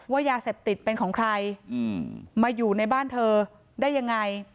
ยาเสพติดเป็นของใครมาอยู่ในบ้านเธอได้ยังไง